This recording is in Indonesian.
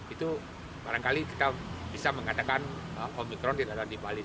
itu barangkali kita bisa mengatakan omikron tidak ada di bali